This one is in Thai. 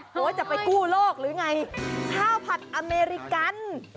ว่าจะไปกู้โลกหรือไงข้าวผัดอเมริกัน